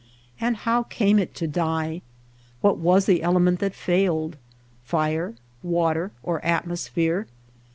And how came it to die ? What was the element that failed — fire, water, or at mosphere